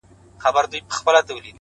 o د دې نړۍ انسان نه دی په مخه یې ښه ـ